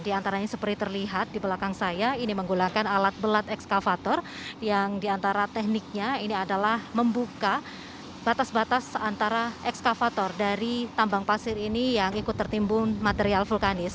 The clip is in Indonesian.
di antaranya seperti terlihat di belakang saya ini menggunakan alat berat ekskavator yang diantara tekniknya ini adalah membuka batas batas antara ekskavator dari tambang pasir ini yang ikut tertimbun material vulkanis